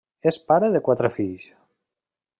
És pare de quatre fills.